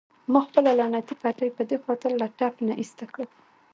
ما خپله لعنتي پټۍ په دې خاطر له ټپ نه ایسته کړه.